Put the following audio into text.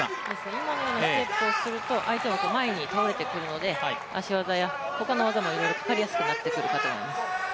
今のようなステップをすると相手は前に倒れてくるので足技や他の技もいろいろかかりやすくなっていると思います。